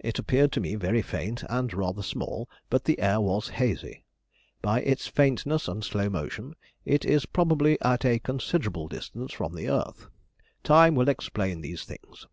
It appeared to me very faint, and rather small, but the air was hazy. By its faintness and slow motion, it is probably at a considerable distance from the earth. Time will explain these things.